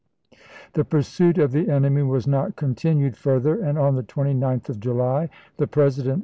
The pursuit of the enemy was not continued further, and on the 29th of July the President im.